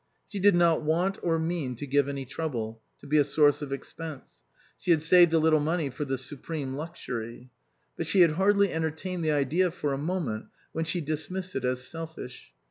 She did not want or mean to give any trouble, to be a source of expense ; she had saved a little money for the supreme luxury. But she had hardly entertained the idea for a moment when she dismissed it as selfish.